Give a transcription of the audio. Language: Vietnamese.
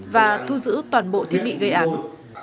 và thu giữ toàn bộ thiết bị gây ảnh